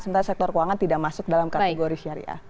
sementara sektor keuangan tidak masuk dalam kategori syariah